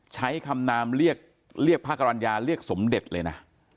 ใช้คำนามเรียกพระกรรณญาเรียกสมเด็จเลยนะ